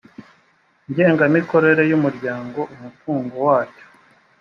ngengamikorere y umuryango umutungo waryo